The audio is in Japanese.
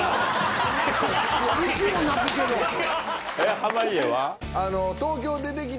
濱家は？